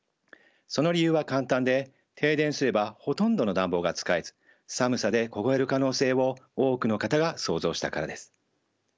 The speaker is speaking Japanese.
その理由は簡単で停電すればほとんどの暖房が使えず寒さで凍える可能性を多くの方が想像したからです。